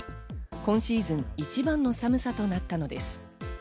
今シーズン一番の寒さとなったのです。